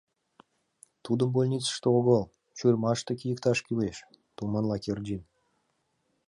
Тудым больницыште огыл, чурмаште кийыкташ кӱлеш!.. — туманла Кердин.